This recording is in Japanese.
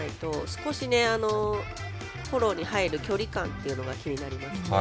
少しフォローに入る距離感っていうのが気になりますね。